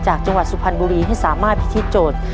จังหวัดสุพรรณบุรีให้สามารถพิธีโจทย์